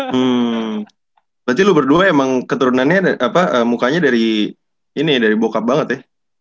hmm berarti lu berdua emang keturunannya mukanya dari ini dari bokap banget ya